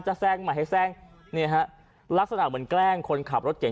แทรกใหม่ให้แทรกเนี่ยฮะลักษณะเหมือนแกล้งคนขับรถเก่ง